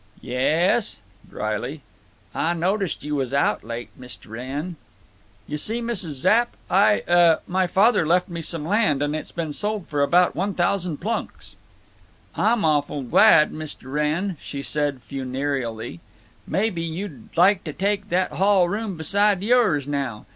"Yes," dryly, "Ah noticed you was out late, Mist' Wrenn." "You see, Mrs. Zapp, I—uh—my father left me some land, and it's been sold for about one thousand plunks." "Ah'm awful' glad, Mist' Wrenn," she said, funereally. "Maybe you'd like to take that hall room beside yours now.